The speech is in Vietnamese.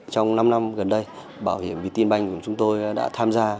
trong năm năm gần đây bảo hiểm việt tim bank của chúng tôi đã tham gia